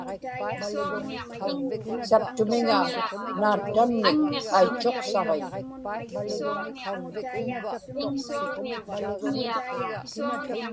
saptumiŋa naattamnik aitchuqsaġiñ